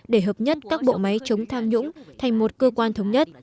để hợp nhất các bộ máy chống tham nhũng thành một cơ quan thống nhất